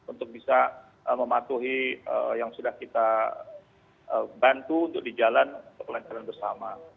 untuk bisa mematuhi yang sudah kita bantu untuk di jalan untuk kelancaran bersama